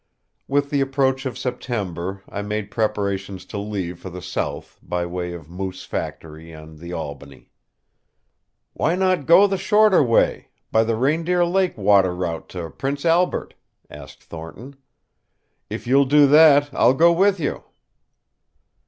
With the approach of September, I made preparations to leave for the south, by way of Moose Factory and the Albany. "Why not go the shorter way by the Reindeer Lake water route to Prince Albert?" asked Thornton. "If you'll do that, I'll go with you."